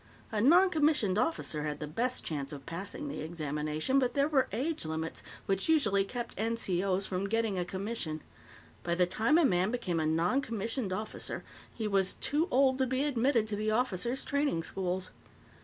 A noncommissioned officer had the best chance of passing the examination, but there were age limits which usually kept NCO's from getting a commission. By the time a man became a noncommissioned officer, he was too old to be admitted to the officers training schools.